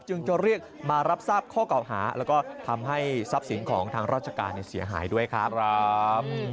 จึงจะเรียกมารับทราบข้อเก่าหาแล้วก็ทำให้ทรัพย์สินของทางราชการเสียหายด้วยครับ